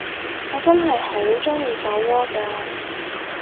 我真係好鍾意酒窩㗎